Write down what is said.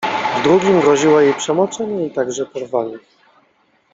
W drugim groziło jej przemoczenie i także porwanie.